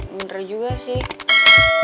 bener juga sih